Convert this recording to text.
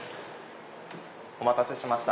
お待たせしました。